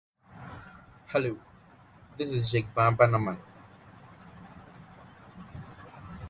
He started this long line of musicians.